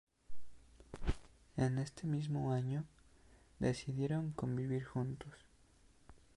En ese mismo año, decidieron convivir juntos.